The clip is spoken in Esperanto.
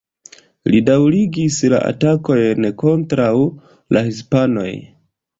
Li daŭrigis la atakojn kontraŭ la hispanoj.